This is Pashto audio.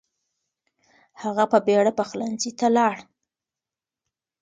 هغه په بیړه پخلنځي ته لاړ.